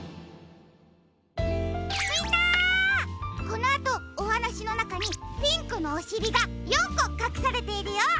このあとおはなしのなかにピンクのおしりが４こかくされているよ。